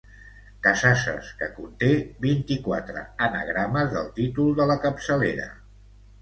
Casasses que conté vint-i-quatre anagrames del títol de la capçalera.